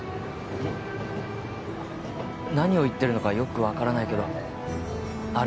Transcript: んっ？何を言ってるのかよく分からないけどあれは事故だよ